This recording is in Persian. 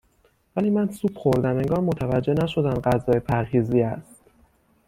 ولی من سوپ خوردم انگار متوجه نشدند غذای پرهیزی است